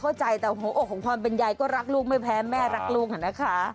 เข้าใจแต่หัวอกของความเป็นยายก็รักลูกไม่แพ้แม่รักลูกนะคะ